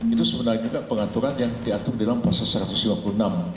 itu sebenarnya juga pengaturan yang diatur dalam pasal satu ratus lima puluh enam